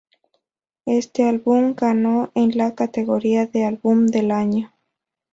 Este álbum ganó el en la categoría de álbum del año.